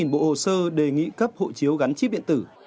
các bộ hồ sơ đề nghị cấp hộ chiếu gắn chip điện tử